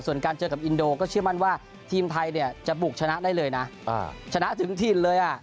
ส่วนการเจอกับอินโดก็เชื่อมั่นว่าทีมไทยเนี่ยจะบุกชนะได้เลยนะชนะถึงถิ่นเลยอ่ะ